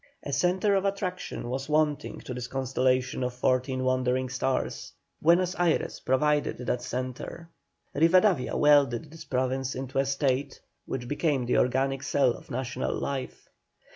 A centre of attraction was wanting to this constellation of fourteen wandering stars Buenos Ayres provided that centre. Rivadavia welded this province into a State, which became the organic cell of national life.